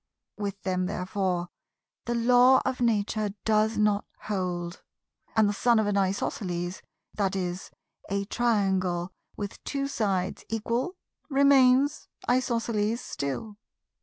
With them therefore the Law of Nature does not hold; and the son of an Isosceles (i.e. a Triangle with two sides equal) remains Isosceles still.